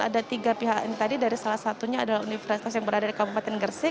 ada tiga pihak ini tadi dari salah satunya adalah universitas yang berada di kabupaten gresik